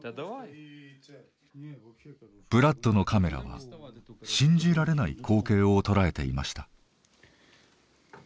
ブラッドのカメラは信じられない光景を捉えていました。